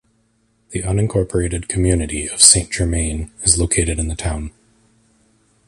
The unincorporated community of Saint Germain is located in the town.